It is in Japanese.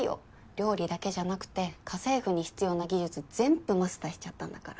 料理だけじゃなくて家政婦に必要な技術全部マスターしちゃったんだから。